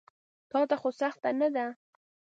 تاته خو سخته نه ده.